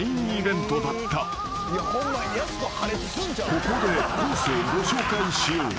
［ここでコースをご紹介しよう］